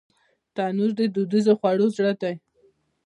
تنور د دودیزو خوړو زړه دی